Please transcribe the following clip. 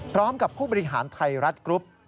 พร้อมกับผู้บริหารไทรัฐกรุ๊ป